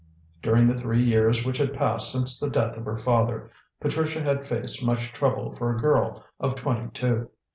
During the three years which had passed since the death of her father, Patricia had faced much trouble for a girl of twenty two.